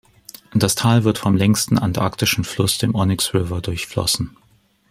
Das Tal wird vom längsten antarktischen Fluss, dem Onyx River, durchflossen.